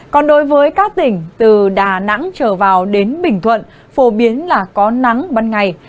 còn đối với các tỉnh từ đà nẵng trở vào đến bình thuận phổ biến là có nắng ban ngày